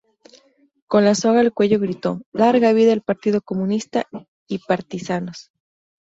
Con la soga al cuello, gritó: "¡Larga vida al Partido Comunista, y partisanos!